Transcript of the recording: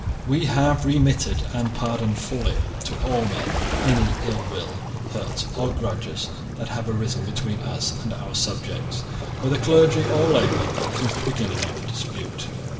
We have remitted and pardoned fully to all men any ill will, hurt, or grudges that have arisen between us and our subjects, whether clergy or laymen, since the beginning of the dispute.